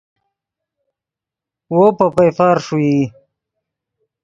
وو پے پئیفرا ݰوئی